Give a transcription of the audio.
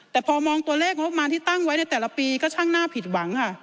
แต่พอมองตัวเลขงบประมาณที่ตั้งไว้ในแต่ละปีก็ช่างหน้าผิดหวังค่ะ